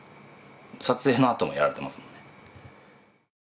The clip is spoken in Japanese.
撮影のあともやられてますもんね。